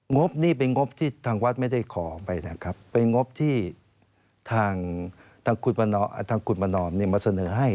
บนี่เป็นงบที่ทางวัดไม่ได้ขอไปนะครับเป็นงบที่ทางคุณประนอมมาเสนอให้